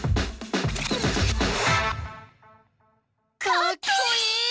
かっこいい！